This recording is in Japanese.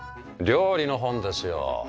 料理の本ですよ。